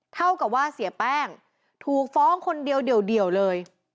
เท่ากับว่าเสียแป้งถูกฟ้องคนเดียวเดี่ยวเลย